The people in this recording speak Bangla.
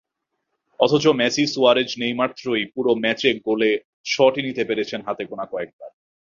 অথচ মেসি-সুয়ারেজ-নেইমার ত্রয়ী পুরো ম্যাচে গোলে শটই নিতে পেরেছেন হাতে গোনা কয়েকবার।